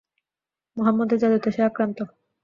মুহাম্মাদের জাদুতে সে আক্রান্ত।